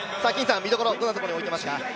見どころ、どんなところに置いていますか？